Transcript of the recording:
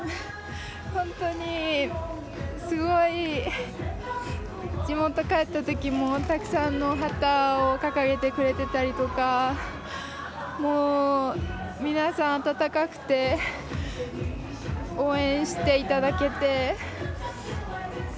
本当にすごい地元帰ったときもたくさんの旗を掲げてくれてたりとか皆さん、温かくて応援していただけて。